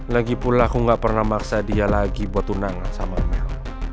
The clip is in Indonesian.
lagipula aku nggak pernah maksa dia lagi buat tunangan sama mel